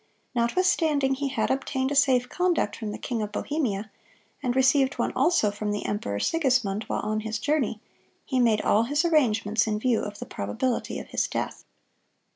Notwithstanding he had obtained a safe conduct from the king of Bohemia, and received one also from the emperor Sigismund while on his journey, he made all his arrangements in view of the probability of his death.